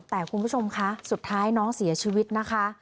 แต่คุณผู้ชมคะสุดท้ายน้องเสียชีวิตนะคะ